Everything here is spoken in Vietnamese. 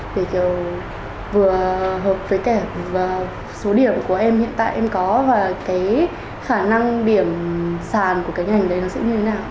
để kiểu vừa hợp với cả số điểm của em hiện tại em có và cái khả năng điểm sàn của cái ngành đấy nó sẽ như thế nào